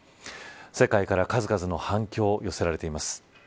世界から数々の反響、寄せられています。